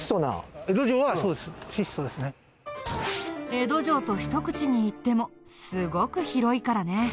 江戸城とひと口に言ってもすごく広いからね。